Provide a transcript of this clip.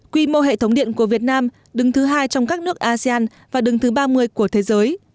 quy mô hệ thống điện của việt nam đứng thứ hai trong các nước asean và đứng thứ ba mươi của thế giới